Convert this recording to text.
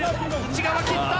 内側切った！